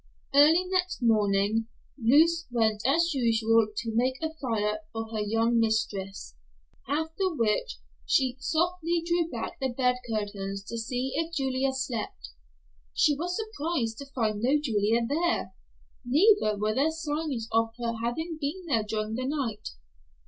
Early next morning Luce went as usual to make a fire for her young mistress, after which she softly drew back the bed curtains to see if Julia slept. She was surprised to find no Julia there, neither were there signs of her having been there during the night.